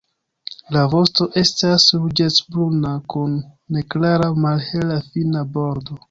La vosto estas ruĝecbruna kun neklara malhela fina bordo.